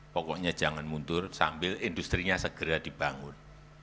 pokoknya jangan mundur sambil industrinya segera dibangun